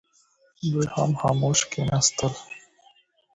دوی هم خاموش کښېنستل.